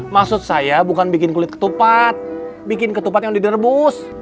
maksud saya bukan bikin kulit ketupat bikin ketupat yang diderebus